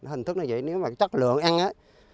hình thức nó vậy nếu mà chất lượng ăn á